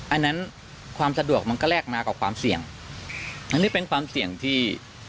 อันนั้นความสะดวกมันก็แลกมากับความเสี่ยงอันนี้เป็นความเสี่ยงที่